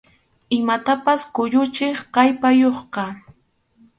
Imatapas kuyuchiq kallpayuqqa.